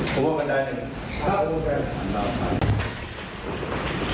ครบ